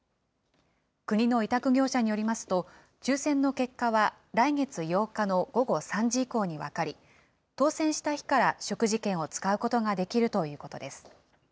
国の委託業者によりますと、抽せんの結果は来月８日の午後３時以降に分かり、当せんした日から食事券を使うことができるということです。